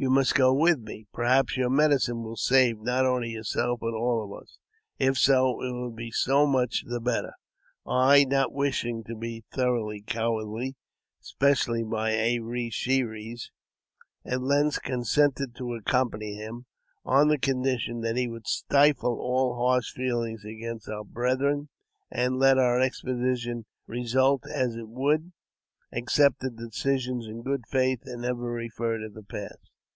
You must go with me ; perhaps your medicine will save not only yourself, but all of us. If so, it will be so much the better." I, not wishing to be thought cowardly, especially by A re she res, at length consented to accompany him, on the condi tion that he would stifle all harsh feeling against our brethren, and, let our expedition result as it would, accept the decision in good faith, and never refer to the past.